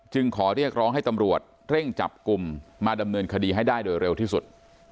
ขอเรียกร้องให้ตำรวจเร่งจับกลุ่มมาดำเนินคดีให้ได้โดยเร็วที่สุด